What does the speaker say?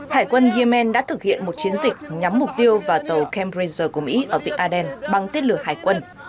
hải quân yemen đã thực hiện một chiến dịch nhắm mục tiêu vào tàu camp ranger của mỹ ở vịnh aden bằng tên lửa hải quân